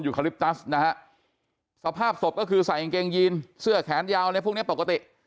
ยุคลิปนัสนะฮะสภาพศพก็คือใส่อิงเกงยีนเสื้อแขนยาวในพวกนี้ปกติ